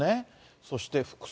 そして、服装。